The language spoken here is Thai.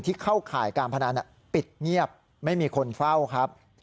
เข้าข่ายการพนันปิดเงียบไม่มีคนเฝ้าครับ